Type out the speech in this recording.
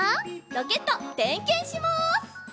ロケットてんけんします！